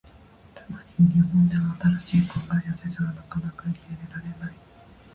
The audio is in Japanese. つまり、日本では新しい考えや説がなかなか受け入れられない。